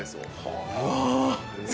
うわ！